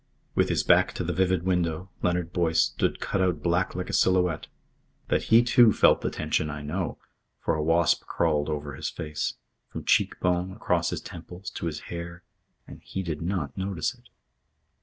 With his back to the vivid window, Leonard Boyce stood cut out black like a silhouette. That he, too, felt the tension, I know; for a wasp crawled over his face, from cheek bone, across his temples, to his hair, and he did not notice it.